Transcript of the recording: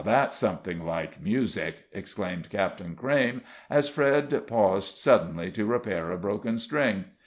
that's something like music," exclaimed Captain Crayme, as Fred paused suddenly to repair a broken string.